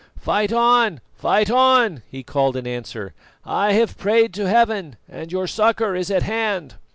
"Fight on! Fight on!" he called in answer. "I have prayed to Heaven, and your succour is at hand."